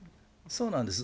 そうなんです。